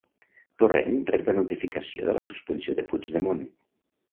Torrent rep la notificació de la suspensió de Puigdemont